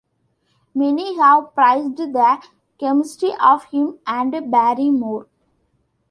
Many have praised the chemistry of him and Barrymore.